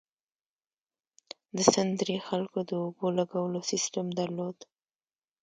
د سند درې خلکو د اوبو لګولو سیستم درلود.